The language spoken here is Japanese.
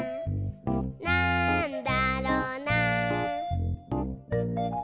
「なんだろな？」